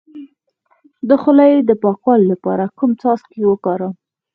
د خولې د پاکوالي لپاره کوم څاڅکي وکاروم؟